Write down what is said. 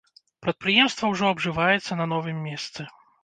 Прадпрыемства ўжо абжываецца на новым месцы.